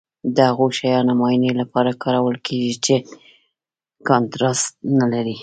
د هغو شیانو معاینې لپاره کارول کیږي چې کانټراسټ نه لري.